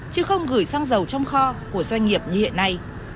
chứ không gửi xăng dầu trong kho của doanh nghiệp như hiện nay